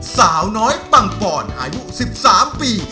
สาวน้อยปังปอนอายุ๑๓ปี